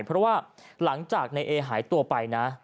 เพราะว่าหลังจากนายเอหายตัวไปนะ